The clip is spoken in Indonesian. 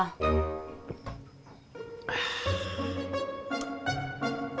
ternyata akang udah tanya harganya mau dijual berapa